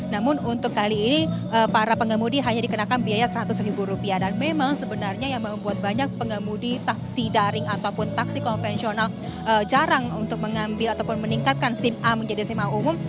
namun untuk kali ini para pengemudi hanya dikenakan biaya seratus ribu rupiah dan memang sebenarnya yang membuat banyak pengemudi taksi daring ataupun taksi konvensional jarang untuk mengambil ataupun meningkatkan sim a menjadi sim a umum